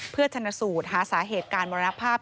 เพื่อชนะสูตรหาสาเหตุการมรณภาพ